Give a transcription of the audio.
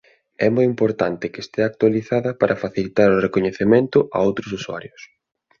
É moi importante que estea actualizada para facilitar o recoñecemento á outros usuarios.